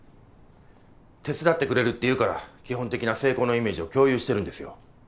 手伝ってくれるっていうから基本的な成功のイメージを共有してるんですよ。